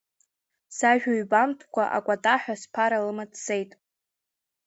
Сажәа ҩбамтәкәа акәатаҳәа сԥара лыма дцеит.